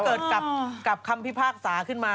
เกิดกับคำพิพากษาขึ้นมา